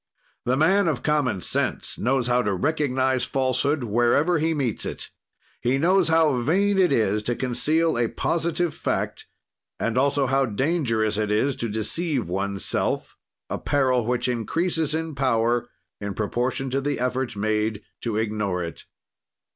"The man of common sense knows how to recognize falsehood wherever he meets it; he knows how vain it is to conceal a positive fact and also how dangerous it is to deceive oneself, a peril which increases in power, in proportion to the effort made to ignore it.